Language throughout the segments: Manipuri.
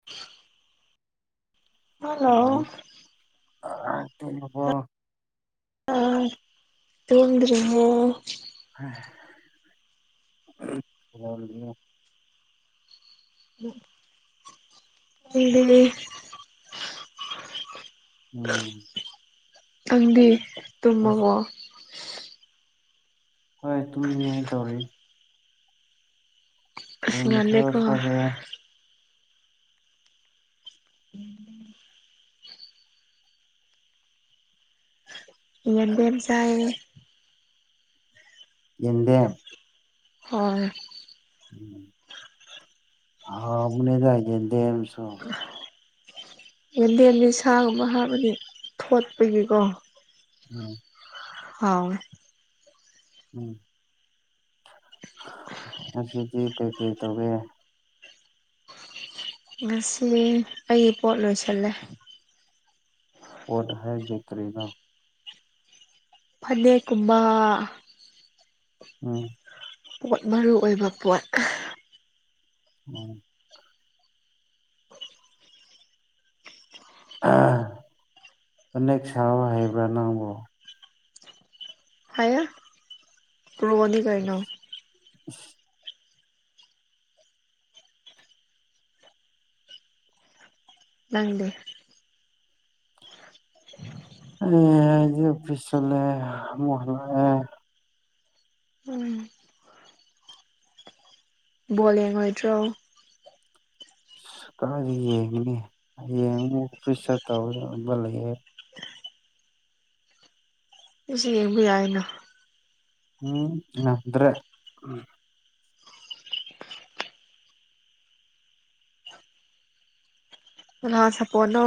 [inaudible] ꯍꯜꯂꯣ ꯑꯥ ꯇꯨꯝꯃꯕꯣ ꯅꯪ ꯇꯨꯝꯗ꯭ꯔꯤꯕꯣ [unintelligible] [unintelligible] ꯎꯝ ꯅꯪꯗꯤ ꯑꯁ ꯇꯨꯝꯃꯕꯣ ꯍꯣꯏ ꯇꯨꯝꯅꯤꯡꯉꯥꯏ ꯇꯧꯔꯤ ꯑꯁ ꯀꯔꯤ ꯃꯊꯦꯜ ꯉꯜꯂꯦꯀꯣ ꯆꯥꯒꯦ [unintelligible] ꯌꯦꯟꯗꯦꯝ ꯆꯥꯌꯦ ꯌꯦꯟꯗꯦꯝ ꯍꯣꯏ ꯍꯥꯎꯕꯅꯦꯗ ꯌꯦꯟꯗꯦꯝꯁꯨ ꯌꯦꯟꯗꯦꯝꯗꯤ ꯁꯥꯒꯨꯝꯕ ꯍꯥꯞꯂꯗꯤ ꯊꯣꯠꯄꯒꯤꯀꯣ ꯎꯝ ꯍꯥꯎꯋꯦ ꯎꯝ ꯉꯁꯤꯗꯤ ꯀꯩꯀꯩ ꯇꯧꯕꯤꯔꯦ ꯉꯁꯤ ꯑꯩꯒꯤ ꯄꯣꯠ ꯂꯣꯏꯁꯜꯂꯦ ꯑꯣꯗ ꯍꯥꯏꯖꯦ ꯀꯔꯤꯅꯣ ꯐꯅꯦꯛ ꯀꯨꯝꯕ ꯎꯝ ꯄꯣꯠ ꯃꯔꯨ ꯑꯣꯏꯕ ꯄꯣꯠ ꯎꯝ ꯐꯥꯅꯦꯛ ꯁꯥꯕ ꯍꯩꯕ꯭ꯔꯥ ꯅꯪꯕꯨ ꯍꯥꯏꯌꯥ ꯀ꯭ꯔꯣꯅꯤ [inaudible] ꯅꯪꯗꯤ ꯑꯦ ꯑꯩꯗꯤ ꯑꯣꯐꯤꯁ ꯆꯠꯂꯦ ꯑꯃꯨꯛ ꯍꯜꯂꯛꯑꯦ ꯎꯝ ꯕꯣꯜ ꯌꯦꯡꯉꯣꯏꯗ꯭ꯔꯣ ꯀꯥꯗꯤ ꯌꯦꯡꯉꯤꯅꯦ ꯌꯦꯡꯉ ꯑꯣꯐꯤꯁ ꯆꯠꯇꯧꯕ ꯑꯃ ꯂꯩꯌꯦ ꯑꯩꯁꯨ ꯌꯦꯡꯕ ꯌꯥꯏꯅ ꯎꯝ ꯅꯪꯗ꯭ꯔꯦ ꯎꯝ ꯀꯅꯥ ꯁꯞꯄꯣꯠꯅꯣ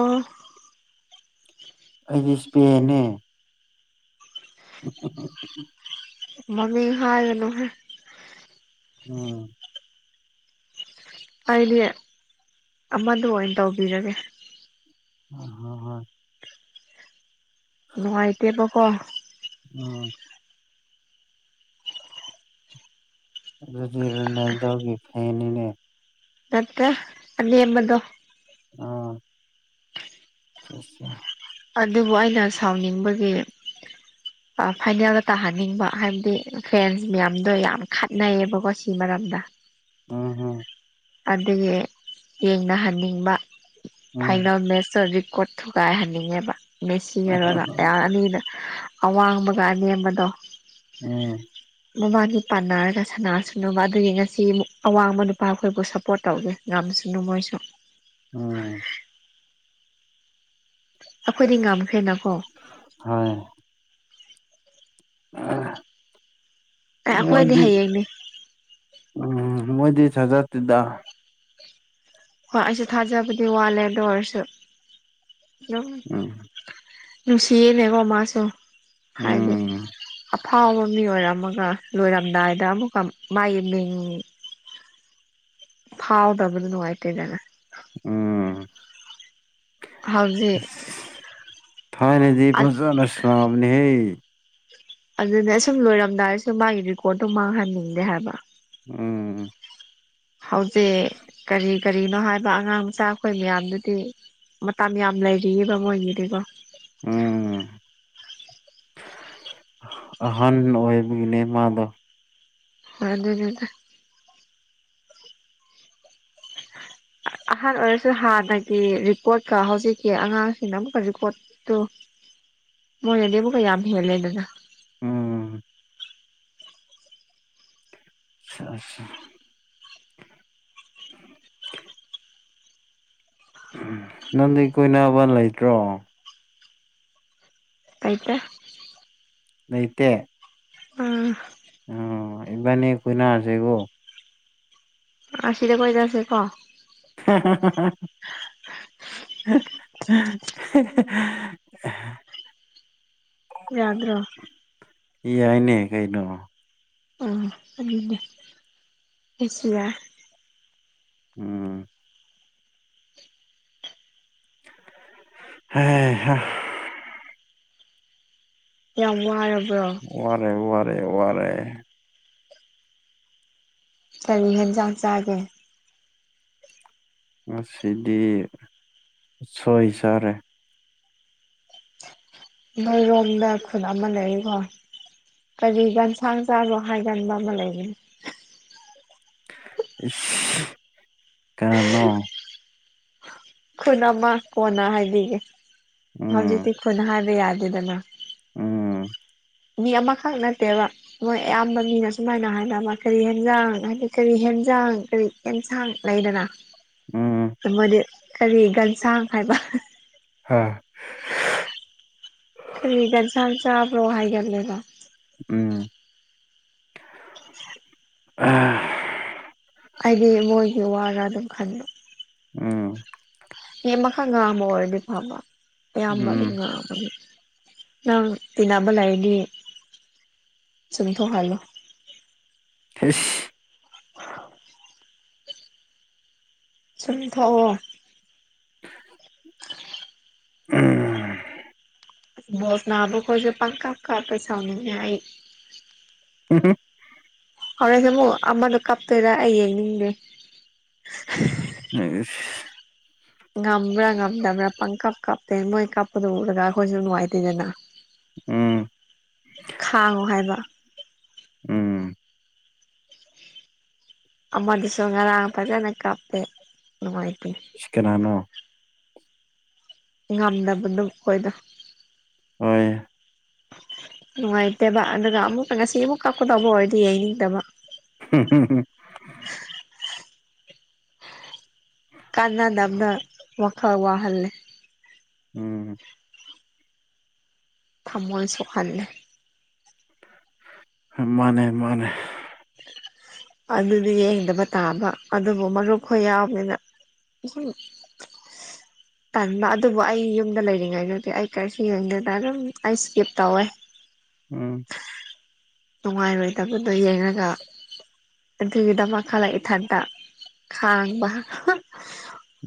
ꯑꯩꯗꯤ ꯏꯁꯄꯦꯅꯦ [unintelligible] ꯃꯃꯤꯡ ꯍꯥꯏꯔꯅꯣꯍꯦ ꯑꯥ ꯑꯩꯗꯤ ꯑꯃꯗꯨ ꯑꯣꯏꯅ ꯇꯧꯕꯤꯔꯒꯦ ꯍꯥ ꯍꯣꯏ ꯍꯣꯏ ꯅꯨꯡꯉꯥꯏꯇꯦꯕ ꯀꯣ ꯎꯝ ꯅꯣꯏꯗꯤ ꯔꯣꯅꯜꯗꯣꯒꯤ ꯐꯦꯟꯅꯤꯅꯦ ꯅꯠꯇꯦ ꯑꯅꯦꯝꯕꯗꯣ ꯑꯣ ꯑꯗꯨꯕꯨ ꯑꯩꯅ ꯁꯥꯎꯅꯤꯡꯕꯒꯤ [inaudible] ꯐꯥꯏꯅꯦꯜꯗ ꯇꯥꯍꯟꯅꯤꯡꯕ ꯍꯥꯏꯕꯗꯤ ꯐ꯭ꯦꯟꯁ ꯃꯌꯥꯝꯗꯣ ꯌꯥꯝ ꯈꯠꯅꯩꯕꯀꯣ ꯁꯤ ꯃꯔꯝꯗ ꯎꯝ ꯍꯝ ꯑꯗꯨꯒꯤ ꯌꯦꯡꯅꯍꯟꯅꯤꯡꯕ ꯎꯝ ꯐꯥꯏꯅꯦꯜ ꯃꯦꯠꯆꯇꯣ ꯔꯤꯀꯣꯔꯗ ꯊꯨꯒꯥꯏꯍꯟꯅꯤꯡꯉꯦꯕ ꯃꯦꯁꯤꯔꯣꯅ ꯑ ꯑꯅꯤꯗ ꯑꯋꯥꯡꯕꯒ ꯑꯅꯦꯝꯕꯗꯣ ꯎꯝ ꯃꯕꯅꯤ ꯄꯥꯟꯅꯔꯒ ꯁꯅꯥꯁꯅꯨꯕ ꯑꯗꯨꯒꯤ ꯉꯁꯤ ꯑꯋꯥꯡꯕ ꯅꯨꯄꯥ ꯑꯈꯣꯏꯕꯨ ꯁꯞꯄꯣꯔꯠ ꯇꯧꯒꯦ ꯉꯝꯁꯅꯨ ꯃꯣꯏꯁꯨ ꯎꯝ ꯑꯈꯣꯏꯗꯤ ꯉꯝꯈꯔꯦꯅꯀꯣ ꯎꯝ ꯑꯦ ꯑꯩꯈꯣꯏꯗꯤ ꯅꯣꯏꯗꯤ ꯍꯌꯦꯡꯅꯦ ꯎꯝ ꯃꯣꯏꯗꯤ ꯊꯒꯠꯇꯦꯗ ꯍꯣꯏ ꯑꯩꯁꯨ ꯊꯥꯖꯕꯗꯤ ꯋꯥꯠꯂꯦ ꯑꯗꯨ ꯑꯣꯏꯔꯁꯨ ꯑꯗꯨꯝ ꯎꯝ ꯅꯨꯡꯁꯤꯌꯦꯅꯦꯀꯣ ꯃꯥꯁꯨ ꯍꯥꯏꯗꯤ ꯎꯝ ꯐꯥꯎꯕ ꯃꯤ ꯑꯣꯏꯔꯝ ꯃꯒ ꯂꯣꯏꯔꯝꯗꯥꯏꯗ ꯑꯃꯨꯛꯀ ꯃꯥꯒꯤ ꯃꯤꯡ ꯐꯥꯎꯗꯕꯗ ꯅꯨꯡꯉꯥꯏꯇꯦꯗ ꯎꯝ ꯍꯧꯖꯤꯛ ꯊꯥꯏꯅꯗꯤ ꯐꯖꯅꯁꯟꯅꯦꯍꯦ ꯑꯗꯨꯅꯦ ꯁꯨꯝ ꯂꯣꯏꯔꯝꯗꯥꯏꯁꯨ ꯃꯥꯒꯤ ꯔꯦꯀꯣꯔꯗꯇꯨ ꯃꯥꯡꯍꯟꯅꯤꯡꯗꯦ ꯍꯥꯏꯕ ꯎꯝ ꯍꯧꯖꯤꯛ ꯀꯔꯤ ꯀꯔꯤꯅꯣ ꯍꯥꯏꯕ ꯑꯉꯥꯡ ꯃꯆꯥ ꯈꯣꯏ ꯃꯌꯥꯝꯗꯨꯗꯤ ꯃꯇꯝ ꯌꯥꯝ ꯂꯩꯔꯤꯑꯦꯕ ꯃꯣꯏꯒꯤꯗꯤꯀꯣ ꯎꯝ ꯑꯍꯟ ꯑꯣꯏꯕꯒꯤꯅꯦ ꯃꯥꯗꯣ ꯑꯗꯨꯅꯤꯗ ꯑꯍꯥꯟ ꯑꯣꯏꯔꯁꯨ ꯍꯥꯟꯅꯒꯤ ꯔꯤꯀꯣꯔꯠꯀ ꯍꯧꯖꯤꯛꯀꯤ ꯑꯉꯥꯡꯁꯤꯡꯅ ꯑꯃꯨꯛꯀ ꯔꯤꯀꯣꯔꯠ ꯇꯨ ꯃꯣꯏꯅꯗꯤ ꯑꯃꯨꯛꯀ ꯌꯥꯝ ꯍꯦꯜꯂꯦꯗꯅ ꯎꯝ [unintelligible] ꯅꯪꯗꯤ ꯀꯣꯏꯅꯕ ꯂꯩꯇ꯭ꯔꯣ ꯂꯩꯇꯦ ꯂꯩꯇꯦ ꯑ ꯎꯝ ꯏꯕꯥꯅꯤ ꯀꯣꯏꯅꯔꯁꯦꯀꯣ ꯑꯁꯤꯗ ꯀꯣꯏꯔꯁꯦꯀꯣ [unintelligible] [unintelligible] ꯌꯥꯗ꯭ꯔꯣ ꯌꯥꯏꯅꯦ ꯀꯩꯅꯣ ꯎꯝ ꯑꯗꯨꯅꯦ ꯑꯦꯠꯁꯤꯔꯥ ꯎꯝ ꯍꯥꯏ ꯍꯥ ꯌꯥꯝ ꯋꯥꯔꯕ꯭ꯔꯣ ꯋꯥꯔꯦ ꯋꯥꯔꯦ ꯋꯥꯔꯦ ꯀꯔꯤ ꯍꯦꯟꯖꯥꯡ ꯆꯥꯒꯦ ꯉꯁꯤꯗꯤ ꯎꯁꯣꯏ ꯆꯥꯔꯦ ꯅꯣꯏꯔꯣꯝꯗꯥ ꯈꯨꯟ ꯑꯃ ꯂꯩꯔꯤꯀꯣ ꯀꯔꯤ ꯒꯟꯁꯥꯡ ꯆꯥꯕ꯭ꯔꯣ ꯍꯥꯏꯒꯟꯕ ꯑꯃ ꯂꯩꯕꯅꯤ ꯏꯁ ꯀꯥꯅꯅꯣ ꯈꯨꯟ ꯑꯃ ꯀꯣꯟꯅ ꯍꯥꯏꯕꯤꯒꯦ ꯎꯝ ꯍꯧꯖꯤꯛꯇꯤ ꯈꯨꯟ ꯍꯥꯏꯕ ꯌꯥꯗꯦꯗꯅ ꯑꯥ ꯃꯤ ꯑꯃꯈꯛ ꯅꯠꯇꯦꯕ ꯃꯣꯏ ꯑꯌꯥꯝꯕ ꯃꯤꯅ ꯁꯨꯃꯥꯏꯅ ꯍꯥꯏꯅꯕ ꯀꯔꯤ ꯍꯦꯟꯖꯥꯡ ꯍꯥꯏꯗꯤ ꯀꯔꯤ ꯍꯦꯟꯖꯥꯡ ꯀꯔꯤ ꯑꯦꯟꯁꯥꯡ ꯂꯩꯗꯅ ꯎꯝ ꯑꯃꯗꯤ ꯀꯔꯤ ꯒꯟꯁꯥꯡ ꯍꯥꯏꯕ ꯍꯥꯥ [inaudible] ꯀꯔꯤ ꯒꯟꯁꯥꯡ ꯆꯥꯕ꯭ꯔꯣ ꯍꯥꯏꯒꯠꯂꯦꯕ ꯎꯝ ꯑꯥ ꯑꯩꯗꯤ ꯃꯣꯏꯒꯤ ꯋꯥꯔꯥ ꯑꯗꯨꯝ ꯈꯟꯕ ꯎꯝ ꯃꯤ ꯑꯃꯈꯛ ꯉꯥꯡꯕ ꯑꯣꯏꯔꯗꯤ ꯐꯕ ꯑꯌꯥꯝꯕ ꯑꯗꯨꯝ ꯎꯝ ꯉꯥꯡꯕꯅꯤ ꯅꯪ ꯇꯤꯟꯅꯕ ꯂꯩꯔꯗꯤ ꯆꯨꯝꯊꯣꯛꯍꯜꯂꯣ ꯍꯤꯁ ꯆꯨꯝ ꯊꯣꯛꯑꯣ ꯎꯝ ꯕꯣꯜ ꯁꯥꯅꯕꯈꯣꯏꯁꯦ ꯄꯪꯀꯞ‌ ꯀꯞꯄꯦ ꯁꯥꯎꯅꯤꯡꯉꯦ ꯑꯩ [unintelligible] ꯍꯣꯔꯦꯟꯁꯨ ꯑꯃꯨꯛ ꯑꯃꯗꯣ ꯀꯥꯞꯇꯣꯏꯔꯥ ꯑꯩ ꯌꯦꯡꯅꯤꯡꯗꯦ ꯅꯦ ꯏꯁ ꯉꯝꯕ꯭ꯔꯥ ꯉꯝꯗꯕ꯭ꯔꯥ ꯄꯪꯀꯥꯞ ꯀꯥꯞꯇꯦ ꯃꯣꯏ ꯀꯥꯞꯄꯗꯣ ꯎꯔꯒ ꯑꯈꯣꯏꯁꯨ ꯅꯨꯡꯉꯥꯏꯇꯦꯗꯅ ꯎꯝ ꯈꯥꯡꯉꯣ ꯍꯥꯏꯕ ꯎꯝ ꯑꯃꯗꯨꯁꯨ ꯉꯔꯥꯡ ꯐꯖꯅ ꯀꯥꯞꯄꯦ ꯅꯨꯡꯉꯥꯏꯇꯦ ꯁꯤ ꯀꯅꯥꯅꯣ ꯉꯝꯗꯕꯗꯨ ꯈꯣꯏꯗꯣ ꯍꯣꯏ ꯅꯨꯡꯉꯥꯏꯇꯦꯕ ꯑꯗꯨꯒꯥ ꯑꯃꯨꯛꯇꯥ ꯉꯁꯤ ꯑꯃꯨꯛ ꯀꯞꯀꯗꯧꯕ ꯑꯣꯏꯔꯗꯤ ꯌꯦꯡꯅꯤꯡꯗꯕ [unintelligible] ꯀꯥꯟꯅꯗꯕꯅ ꯋꯥꯈꯜ ꯋꯥꯍꯜꯂꯦ ꯎꯝ ꯊꯃꯣꯏ ꯁꯣꯛꯍꯜꯂꯦ ꯍꯦ ꯃꯥꯅꯦ ꯃꯥꯅꯦ ꯑꯗꯨꯗꯤ ꯌꯦꯡꯗꯕ ꯇꯥꯕ ꯑꯗꯨꯕꯨ ꯃꯔꯨꯞ ꯈꯣꯏ ꯌꯥꯎꯕꯅꯤꯅ ꯏꯁꯨꯝ [inaudible] ꯇꯟꯕ ꯑꯗꯨꯕꯨ ꯑꯩ ꯌꯨꯝꯗ ꯂꯩꯔꯤꯉꯩꯗꯗꯤ ꯑꯩ ꯀꯔꯤꯁꯨ ꯌꯦꯡꯗꯦꯗ ꯑꯗꯨꯝ ꯑꯩ ꯏꯁꯀꯤꯞ ꯇꯧꯋꯦ ꯎꯝ ꯅꯨꯡꯉꯥꯏꯔꯣꯏꯗꯕꯗꯣ ꯌꯦꯡꯉꯒ ꯑꯗꯨꯒꯤꯗꯃꯛ ꯈꯜꯂꯒ ꯏꯊꯥꯟꯗ ꯈꯥꯡꯕ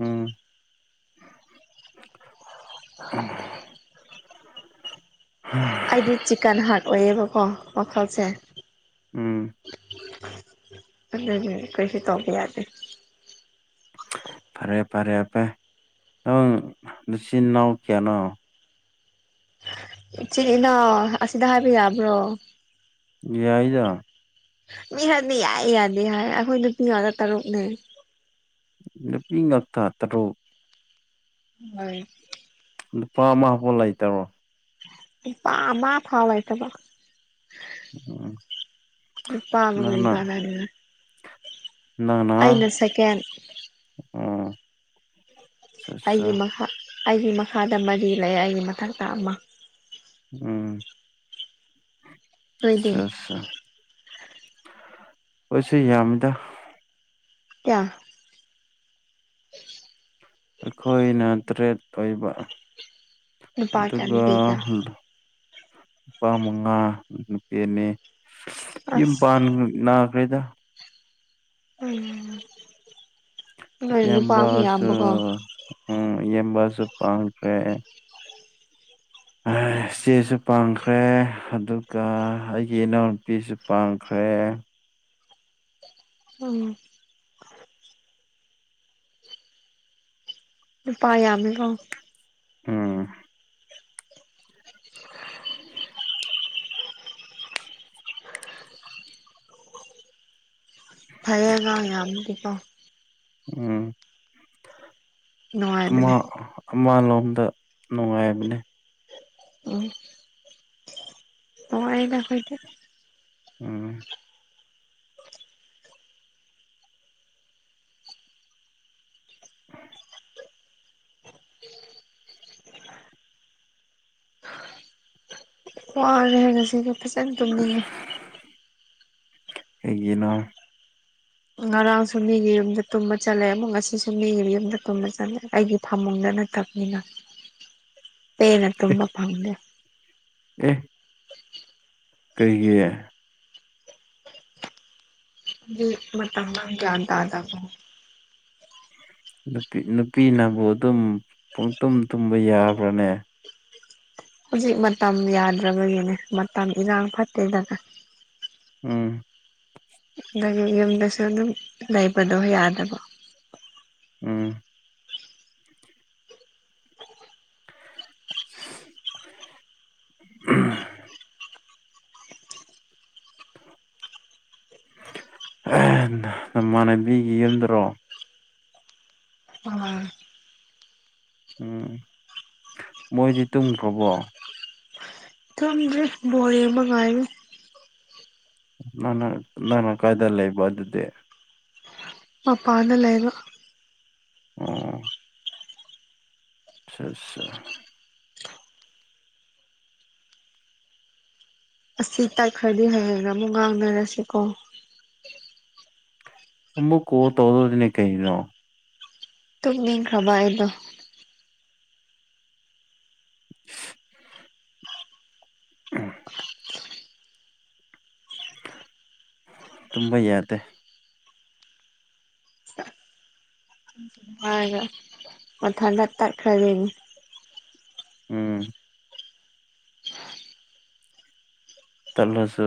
ꯎꯝ ꯑ ꯑꯩꯗꯤ ꯆꯤꯀꯟ ꯍꯥꯔꯠ ꯑꯣꯏꯌꯦꯕꯀꯣ ꯋꯈꯜꯁꯦ ꯎꯝ ꯑꯗꯨꯒꯤ ꯀꯔꯤꯁꯨ ꯇꯧꯕ ꯌꯥꯗꯦ ꯐꯔꯦ ꯐꯔꯦ ꯑꯄꯦ ꯅꯪ ꯅꯆꯤꯟ ꯅꯅꯥꯎ ꯀꯌꯥꯅꯣ ꯏꯆꯤꯜ ꯏꯅꯥꯎ ꯑꯁꯤꯗ ꯍꯥꯏꯕ ꯌꯥꯕ꯭ꯔꯣ ꯌꯥꯏꯗ ꯃꯤ ꯈꯔꯗꯤ ꯌꯥꯌꯦ ꯌꯥꯗꯦ ꯌꯥꯏ ꯑꯩꯈꯣꯏ ꯅꯨꯄꯤ ꯉꯥꯛꯇ ꯇꯔꯨꯛꯅꯦ ꯅꯨꯄꯤ ꯉꯥꯛꯇ ꯇꯔꯨꯛ ꯍꯣꯏ ꯅꯨꯄꯥ ꯑꯃꯐꯥꯎ ꯂꯩꯇ꯭ꯔꯕꯣ ꯅꯨꯄꯥ ꯑꯃꯥ ꯐꯥꯎ ꯂꯩꯇꯕ ꯎꯝ ꯅꯨꯄꯕꯨ ꯀꯔꯤ ꯅꯪꯅ ꯀꯅꯥꯗꯨꯏꯅꯣ ꯅꯪꯅ ꯑꯩꯅ ꯁꯦꯀꯦꯟ ꯑꯣ ꯑꯆꯥ ꯑꯆꯥ ꯑꯩꯒꯤ ꯃꯈꯥ ꯑꯩꯒꯤ ꯃꯈꯥꯗ ꯃꯔꯤ ꯂꯩ ꯑꯩꯒꯤ ꯃꯊꯛꯇ ꯑꯃ ꯎꯝ ꯅꯣꯏꯗꯤ ꯑꯁꯥ ꯑꯠꯁꯥ ꯑꫭꯏꯁꯨ ꯌꯥꯝꯃꯤꯗ ꯀꯌꯥ ꯎ ꯑꯩꯈꯣꯏꯅ ꯇ꯭ꯔꯦꯠ ꯑꯣꯏꯕ ꯅꯨꯄꯥ ꯀꯌꯥ ꯑꯗꯨꯒ ꯅꯨꯄꯤ ꯀꯌꯥ ꯅꯨꯄꯥ ꯃꯉꯥ ꯅꯨꯄꯤ ꯑꯅꯤ ꯌꯨꯝ ꯑꯁ ꯄꯥꯟ ꯅꯥꯈ꯭ꯔꯦꯗ ꯎꯝ ꯅꯣꯏꯅ ꯅꯨꯄꯥꯝꯃ ꯏꯌꯥꯝꯕꯁꯨ ꯌꯥꯝꯕꯀꯣ ꯎꯝ ꯏꯌꯦꯕꯁꯨ ꯄꯪꯈ꯭ꯔꯦ ꯏꯆꯦꯁꯨ ꯄꯥꯡꯈ꯭ꯔꯦ ꯑꯗꯨꯒ ꯑꯩꯒꯤ ꯏꯅꯥꯎꯅꯨꯄꯤꯁꯨ ꯄꯥꯡꯈ꯭ꯔꯦ ꯎꯝ ꯅꯨꯄꯥ ꯌꯥꯝꯃꯤꯀꯣ ꯎꯝ ꯐꯩꯌꯦꯒ ꯌꯥꯝꯗꯤꯀꯣ ꯎꯝ ꯑꯃ ꯅꯨꯡꯉꯥꯏꯕꯅꯦ ꯑꯃꯂꯣꯝꯗ ꯅꯨꯡꯉꯥꯏꯕꯅꯦ ꯎꯝ ꯅꯨꯡꯉꯥꯏꯗ ꯑꯈꯣꯏꯗꯤ ꯎꯝ ꯋꯥꯔꯦ ꯍꯥꯏ ꯉꯁꯤꯗꯤ ꯐꯖꯅ ꯇꯨꯝꯅꯤꯡꯉꯦ ꯑꯩꯒꯤꯅꯣ ꯉꯔꯥꯡꯁꯨ ꯃꯤꯒꯤ ꯌꯨꯝꯗ ꯇꯨꯝꯕ ꯆꯠꯂꯦ ꯑꯃꯨꯛ ꯉꯁꯤꯁꯨ ꯃꯤꯒꯤ ꯌꯨꯝꯗ ꯇꯨꯝꯕ ꯆꯠꯂꯦ ꯑꯩꯒꯤ ꯐꯝꯃꯨꯡꯗ ꯅꯠꯇꯞꯅꯤꯅ [inaudible] ꯄꯦꯟꯅ ꯑꯦ ꯇꯨꯝꯕ ꯐꯝꯇꯦ ꯑꯦ ꯀꯩꯒꯤ ꯑꯗꯨ ꯃ [inaudible] ꯒꯌꯥꯟ ꯇꯗꯕ ꯅꯨꯄꯤ ꯅꯨꯄꯤꯅꯕꯨ ꯑꯗꯨꯝ ꯄꯨꯡꯇꯨꯝ ꯇꯨꯝꯕ ꯌꯥꯕ꯭ꯔꯅꯦ ꯍꯧꯖꯤꯛ ꯃꯇꯝ ꯌꯥꯗ꯭ꯔꯕꯒꯤꯅꯦ ꯃꯇꯝ ꯏꯔꯥꯡ ꯐꯠꯇꯦꯗꯅ ꯎꯝ [unintelligible] ꯌꯨꯝꯗꯁꯨ ꯑꯗꯨꯝ ꯂꯩꯕꯗꯣ ꯌꯥꯗꯕ ꯎꯝ ꯎꯝ ꯅꯃꯥꯟꯅꯕꯤꯒꯤ ꯌꯨꯝꯗꯗ꯭ꯔꯣ ꯑ ꯎꯝ ꯃꯣꯏꯗꯤ ꯇꯨꯝꯈ꯭ꯔꯕꯣ ꯇꯨꯝꯗꯔꯤ ꯕꯣꯜ ꯌꯦꯛꯕ ꯉꯥꯏꯔꯤ ꯅꯪꯅ ꯅꯪꯅ ꯀꯥꯏꯗ ꯂꯩꯏꯕ ꯑꯗꯨꯗꯤ ꯃꯄꯥꯟꯗ ꯂꯩꯕ ꯑꯣ ꯆꯠꯆ ꯑꯁꯤ ꯇꯛꯈ꯭ꯔꯗꯤ ꯍꯌꯦꯡ ꯑꯃꯨꯛ ꯉꯥꯡꯅꯔꯁꯤ ꯀꯣ ꯑꯃꯨꯛ ꯀꯣꯜ ꯇꯣꯒꯗꯧꯅꯦ ꯀꯩꯅꯣ ꯇꯨꯝꯅꯤꯛ ꯈꯔꯕ ꯑꯩꯗꯣ ꯎꯝ ꯇꯨꯝꯕ ꯌꯥꯗꯦ ꯃꯥꯏꯅ ꯃꯊꯥꯟꯗ ꯇꯠꯈꯥꯗꯨꯅꯤ ꯎꯝ ꯇꯠꯂꯁꯨ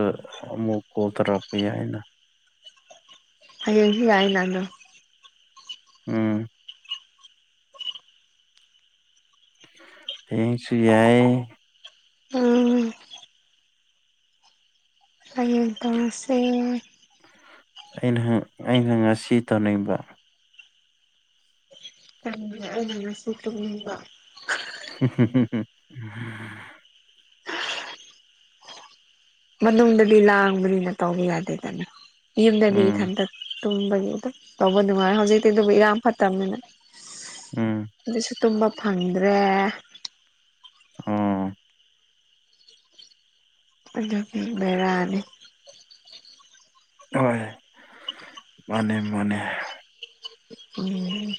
ꯑꯃꯨꯛ ꯀꯣꯜ ꯇꯔꯛꯄ ꯌꯥꯏꯅ ꯍꯌꯦꯟꯁꯨ ꯌꯥꯏꯅ ꯑꯗꯣ ꯎꯝ ꯍꯌꯦꯡꯁꯨ ꯌꯥꯏ ꯎꯝ ꯍꯌꯦꯡ ꯇꯧꯔꯁꯦ ꯑꯩꯅ ꯑꯩꯅ ꯉꯁꯤ ꯇꯧꯝꯅꯤꯡꯕ [inaudible] ꯑꯩꯅ ꯉꯥꯁꯤ ꯇꯨꯝꯅꯤꯡꯕ ꯃꯅꯨꯡꯗꯗꯤ ꯂꯥꯡꯕꯅꯤꯅ ꯇꯧꯕ ꯌꯥꯗꯦꯗꯅ ꯌꯨꯝꯗꯗꯤ ꯎꯝ ꯏꯊꯟꯗ ꯇꯨꯝꯕꯒꯤ ꯇꯧꯕ ꯅꯨꯡꯉꯥꯏ ꯍꯧꯖꯤꯛꯇꯤ ꯑꯗꯨꯕꯨ ꯏꯔꯥꯡ ꯐꯠꯇꯕꯅꯤꯅ ꯎꯝ ꯑꯗꯨ ꯇꯨꯝꯕ ꯐꯪꯗ꯭ꯔꯦ ꯑꯣ ꯑꯗꯨꯒꯤ ꯕꯦꯔꯥꯅꯤ ꯍꯣꯏ ꯃꯥꯅꯦ ꯃꯥꯅꯦ ꯎꯝ